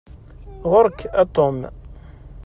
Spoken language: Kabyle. Ɣuṛ-k a Tom.